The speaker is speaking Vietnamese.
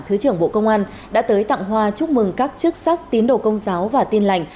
thứ trưởng bộ công an đã tới tặng hoa chúc mừng các chức sắc tín đồ công giáo và tin lành